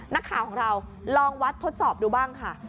นักข่าวของเราลองวัดทดสอบดูบ้างค่ะ